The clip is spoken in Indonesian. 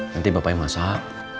nanti bapaknya masak